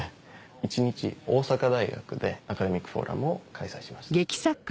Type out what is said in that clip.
一日大阪大学でアカデミックフォーラムを開催しました。